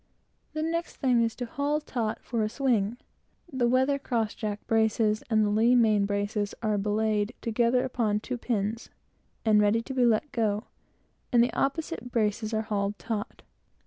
The next thing is to haul taut for a swing. The weather cross jack braces and the lee main braces are each belayed together upon two pins, and ready to be let go; and the opposite braces hauled taut.